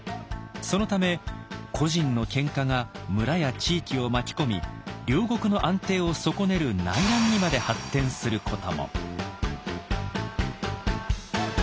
そのため個人の喧嘩が村や地域を巻き込み領国の安定を損ねる内乱にまで発展することも。